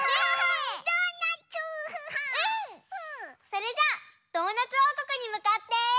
それじゃあドーナツおうこくにむかって。